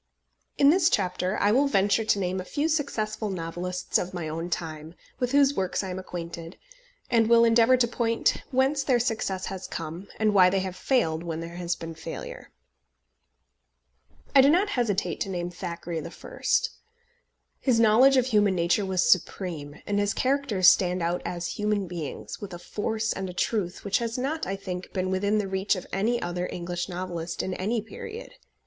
In this chapter I will venture to name a few successful novelists of my own time, with whose works I am acquainted; and will endeavour to point whence their success has come, and why they have failed when there has been failure. I do not hesitate to name Thackeray the first. His knowledge of human nature was supreme, and his characters stand out as human beings, with a force and a truth which has not, I think, been within the reach of any other English novelist in any period.